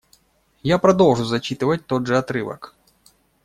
Я продолжу зачитывать тот же отрывок.